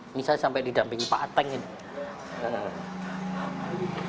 ini saya sampai didampingi pak ateng ini